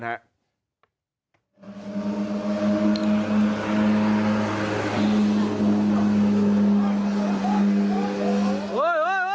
ชาวบ้านย่านนี้ชาวเชียงใหม่บอกตั้งแต่เกิดมา